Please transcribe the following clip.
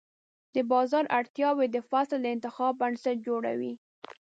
د بازار اړتیاوې د فصل د انتخاب بنسټ جوړوي.